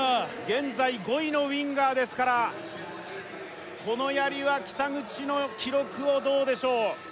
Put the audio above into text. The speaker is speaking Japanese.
現在５位のウィンガーですからこのやりは北口の記録をどうでしょう？